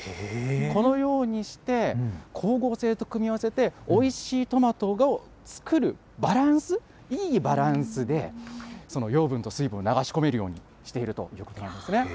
このようにして、光合成と組み合わせて、おいしいトマトを作るバランス、いいバランスでその養分と水分を流し込めるようにしているということなんですね。